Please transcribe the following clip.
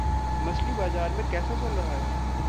मछली बाज़ार में कैसा चल रहा है?